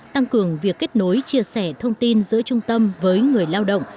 tăng cường việc kết nối chia sẻ thông tin giữa trung tâm với người lao động